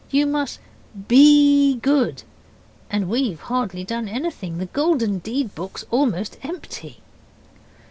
You must BE good. And we've hardly done anything. The Golden Deed book's almost empty.